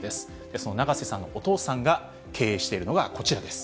その永瀬さんのお父さんが経営しているのがこちらです。